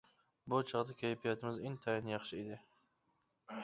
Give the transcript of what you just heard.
بۇ چاغدا كەيپىياتىمىز ئىنتايىن ياخشى ئىدى.